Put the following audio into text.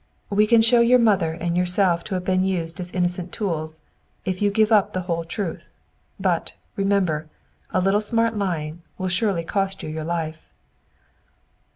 "We can show your mother and yourself to have been used as innocent tools, if you give up the whole truth. But, remember, a little smart lying will surely cost you your life."